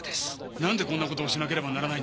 なんでこんな事をしなければならないんですか？